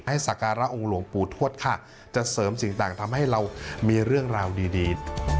สักการะองค์หลวงปู่ทวดค่ะจะเสริมสิ่งต่างทำให้เรามีเรื่องราวดีดี